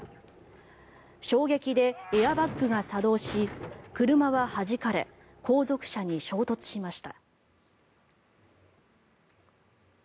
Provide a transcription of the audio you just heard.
衝撃でエアバッグが作動し車ははじかれ後続車に衝突しました。